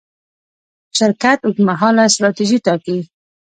شرکت اوږدمهاله ستراتیژي ټاکي.